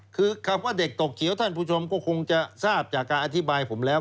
คือคำว่าเด็กตกเขียวท่านผู้ชมก็คงจะทราบจากการอธิบายผมแล้ว